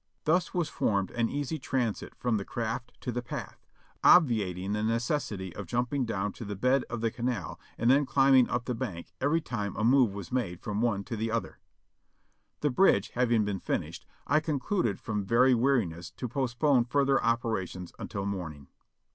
Thus was formed an easy transit from the craft to the path, obviating the necessity of jumping down to the bed of the canal and then climbing up the bank every time a move was made from one to the other. The bridge having been finished, I concluded from very weari ness to postpone further operations until morning.